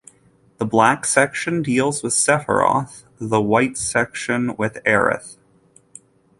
The "Black" section deals with Sephiroth, the "White" section with Aerith.